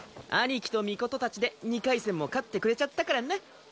兄貴と尊たちで２回戦も勝ってくれちゃったからな。